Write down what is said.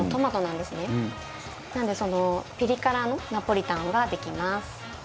なのでそのピリ辛のナポリタンができます。